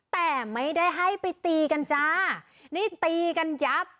แต่ไม่ได้ให้ไปตีกันจ้านี่ตีกันยับ